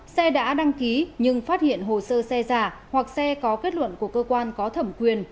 xe đã đăng ký nhưng phát hiện hồ sơ xe giả hoặc xe có kết luận của cơ quan có thẩm quyền